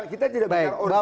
kita tidak punya orisinilitas